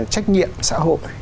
trách nhiệm xã hội